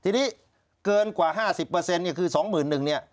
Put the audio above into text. ทีนี้เกินกว่าห้าสิบเปอร์เซ็นต์เนี่ยคือสองหมื่นหนึ่งเนี่ย